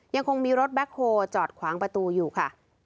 ยังคงมีรถแบ็คโฮลจอดขวางประตูอยู่ค่ะ